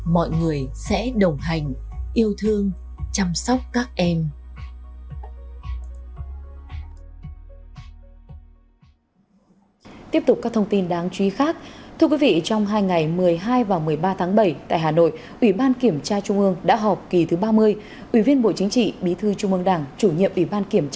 mọi người sẽ đồng hành yêu thương chăm sóc các em